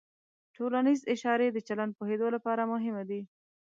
ټولنیز اشارې د چلند پوهېدو لپاره مهمې دي.